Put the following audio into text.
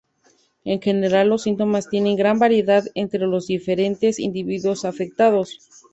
En general los síntomas tienen gran variabilidad entre los diferentes individuos afectados.